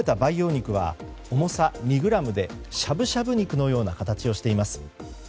作られた培養肉は、重さ２ｇでしゃぶしゃぶ肉のような形をしています。